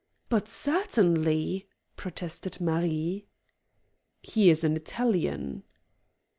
"But, certainly!" protested Marie. "He is an Italian."